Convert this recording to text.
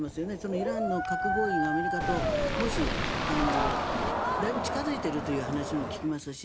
イランの核合意がアメリカとだいぶ近付いているという話も聞きますし